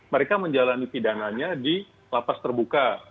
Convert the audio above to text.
mereka menjalani pidananya di lapas terbuka